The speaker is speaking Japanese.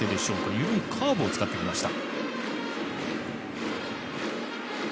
緩いカーブを使ってきました。